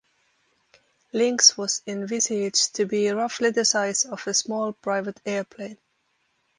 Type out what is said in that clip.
Lynx was envisaged to be roughly the size of a small private airplane.